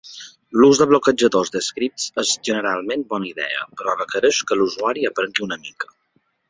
L'ús de bloquejadors de scripts és generalment bona idea, però requereix que l'usuari aprengui una mica.